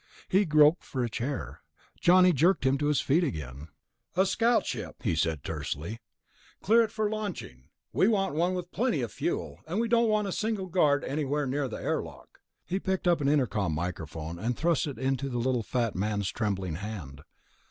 He groped for a chair; Johnny jerked him to his feet again. "A scout ship," he said tersely. "Clear it for launching. We want one with plenty of fuel, and we don't want a single guard anywhere near the airlock." He picked up an intercom microphone and thrust it into the little fat man's trembling hand.